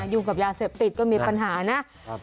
อยู่กับยาเสพติดก็มีปัญหานะ